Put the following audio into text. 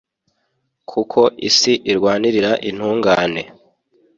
kuko isi irwanirira intungane